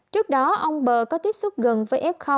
trước đó ông bờ có tiếp xúc gần với f